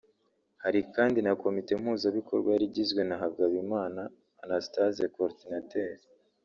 Hari kandi na Komite mpuzabikorwa yari igizwe na Hagabimana Anastase Coordinateur